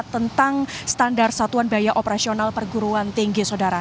tentang standar satuan biaya operasional perguruan tinggi sodara